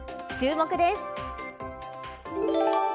注目です。